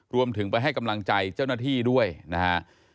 รวมถึงไปให้กำลังใจเจ้าหน้าที่ด้วยนะฮะ